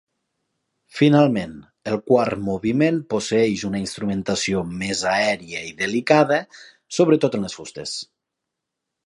Finalment, el quart moviment posseeix una instrumentació més aèria i delicada, sobretot en les fustes.